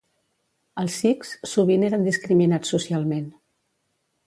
Els Sikhs, sovint eren discriminats socialment.